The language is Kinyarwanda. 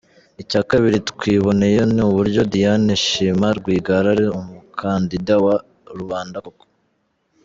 Icya kabili twiboneye ni uburyo Diane Shima Rwigara ari umukandida wa rubanda koko.